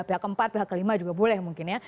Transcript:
pihak keempat pihak kelima juga boleh mungkin ya